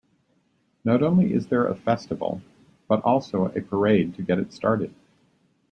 Not only is there a festival, but also a parade to get it started.